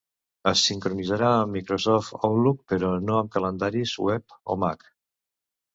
Es sincronitzarà amb Microsoft Outlook, però no amb calendaris web o Mac.